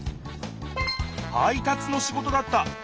配達の仕事だった。